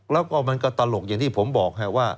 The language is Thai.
แล้วก็มันก็ตลกอย่างที่ผมบอกว่า